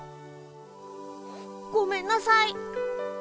ごめんなさい。